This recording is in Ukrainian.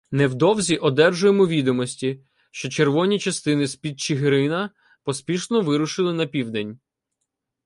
Невдовзі одержуємо відомості, що червоні частини з-під Чигирина поспішно вирушили на південь.